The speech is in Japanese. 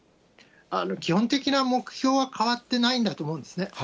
基本的な目標は変わってないんだと思うんですね。